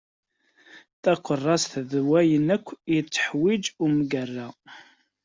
Takurazt d wayen akk yettiḥwiǧ umgara.